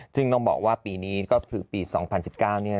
ซึ่งต้องบอกว่าปีนี้ก็คือปี๒๐๑๙เนี่ย